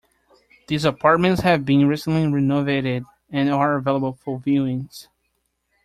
These apartments have been recently renovated and are available for viewings.